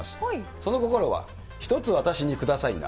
その心は、１つ私にくださいな。